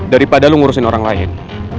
daripada lu ngurusin orang lain